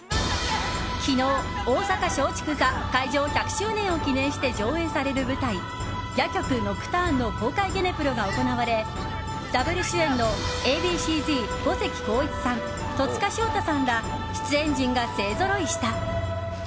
昨日、大阪松竹座開場１００周年を記念して上演される舞台「夜曲ノクターン」の公開ゲネプロが行われダブル主演のＡ．Ｂ．Ｃ‐Ｚ五関晃一さん、戸塚祥太さんら出演陣が勢ぞろいした。